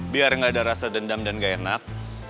biar nggak ada rasa dendam dan gak enak